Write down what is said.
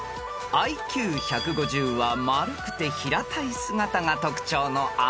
［ＩＱ１５０は丸くて平たい姿が特徴のあの魚］